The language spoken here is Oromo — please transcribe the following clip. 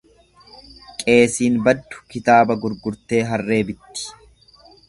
Qeesiin baddu kitaaba gurgurtee harree bitti.